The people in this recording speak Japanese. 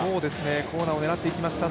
コーナーを狙っていきました